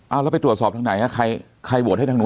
เอาแล้วไปตรวจสอบทางไหนใครโหวตให้ทางนู้น